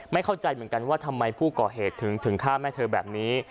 เข้าใจเหมือนกันว่าทำไมผู้ก่อเหตุถึงฆ่าแม่เธอแบบนี้